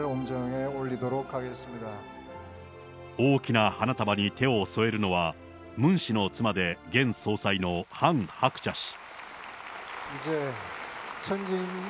大きな花束に手を添えるのは、ムン氏の妻で現総裁のハン・ハクチャ氏。